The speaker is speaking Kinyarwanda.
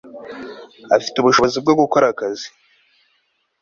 afite ubushobozi bwo gukora akazi